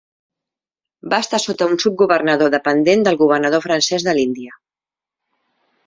Va estar sota un subgovernador dependent del governador francès de l'Índia.